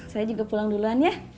saya juga pulang duluan ya